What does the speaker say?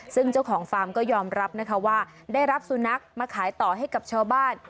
ซึ่งเจ้าของฟาร์มก็ยอมรับนะคะว่าได้รับสุนัขมาขายต่อให้กับชาวบ้าน